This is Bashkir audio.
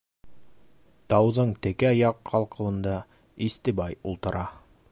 Тауҙың текә яҡ ҡалҡыуында Истебай ултыра.